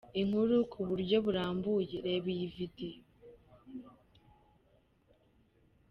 Inkuru ku buryo burambuye reba iyi video.